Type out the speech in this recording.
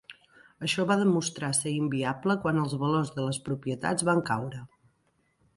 Això va demostrar ser inviable quan els valors de les propietats van caure.